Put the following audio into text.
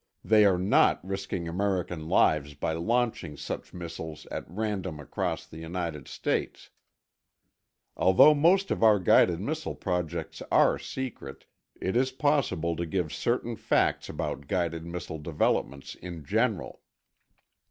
They are not risking American lives by launching such missiles at random across the United States, Although most of our guided missile projects are secret, it is possible to give certain facts about guided missile developments in general.